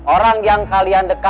orang yang kalian dekatkan